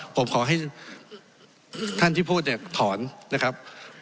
ผมขอให้ท่านที่พูดเนี่ยถอนนะครับ